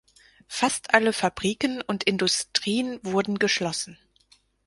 Fast alle Fabriken und Industrien wurden geschlossen.